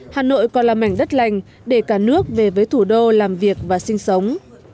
hà nội còn là mảnh đất lành để cả nước về với thủ đô làm việc và sinh sống